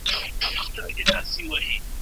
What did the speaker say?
د هلکانو لیلیه په بیړه نه بشپړیږي.